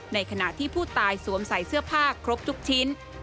ในขณะที่ผู้ตายสวมใส่เสื้อผ้าครบทุกชิ้น